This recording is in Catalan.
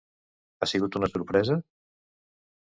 Ha sigut una sorpresa?